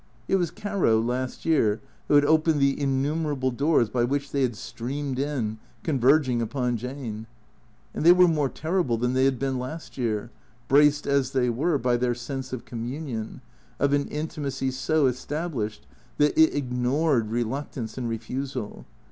It was Caro, last year, who had opened the in numerable doors by which they had streamed in, converging upon Jane. And they were more terrible than they had been last year, braced as they were by their sense of communion, of an intimacy so established that it ignored reluctance and refusal.